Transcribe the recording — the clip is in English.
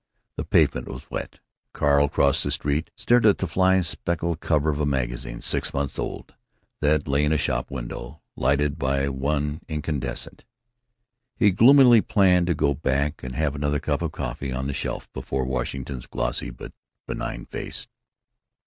The pavement was wet. Carl crossed the street, stared at the fly specked cover of a magazine six months old that lay in a shop window lighted by one incandescent. He gloomily planned to go back and have another cup of coffee on the shelf before Washington's glassy but benign face.